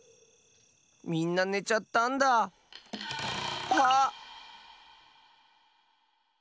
みんなねちゃったんだ。はっ！